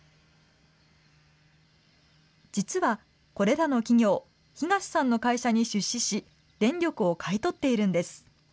実はこれらの企業、東さんの会社に出資し、電力を買い取っているんです。